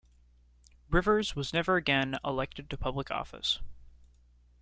Rivers was never again elected to public office.